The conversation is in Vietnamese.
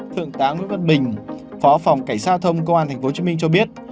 thượng tá nguyễn văn bình phó phòng cảnh sát giao thông công an tp hcm cho biết